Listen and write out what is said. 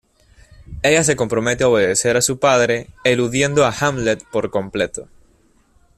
Ella se compromete a obedecer a su padre eludiendo a Hamlet por completo.